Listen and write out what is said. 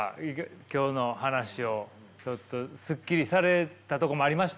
今日の話をちょっとすっきりされたとこもありました？